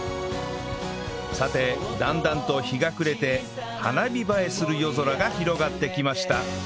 さてだんだんと日が暮れて花火映えする夜空が広がってきました